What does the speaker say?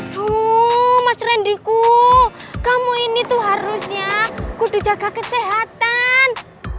tuh mas rendy ku kamu ini tuh harusnya kudu jaga kesehatan